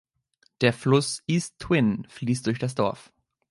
Der Fluss East Twin fließt durch das Dorf.